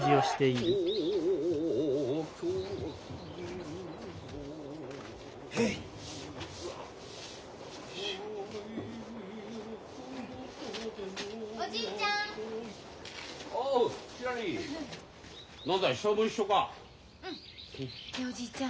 ねえおじいちゃん